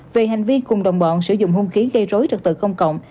về hành vi cùng đồng bọn sử dụng hung khí gây rối trật tự công cộng